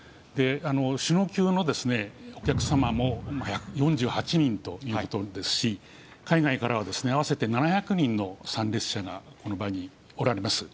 首脳級のお客様も４８人ということですし、海外からは合わせて７００人の参列者がこの場におられます。